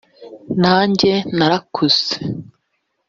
nanjye narakuze